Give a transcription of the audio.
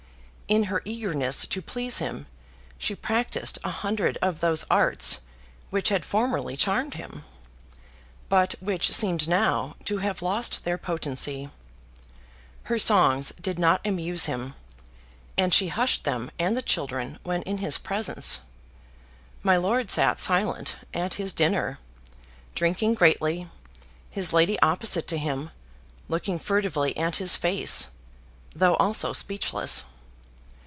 In her eagerness to please him she practised a hundred of those arts which had formerly charmed him, but which seemed now to have lost their potency. Her songs did not amuse him; and she hushed them and the children when in his presence. My lord sat silent at his dinner, drinking greatly, his lady opposite to him, looking furtively at his face, though also speechless.